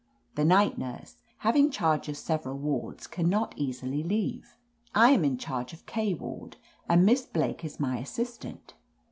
The night nurse, having charge of several wards, can not easily leave. I am in charge of K ward, and Miss Blake is my assistant."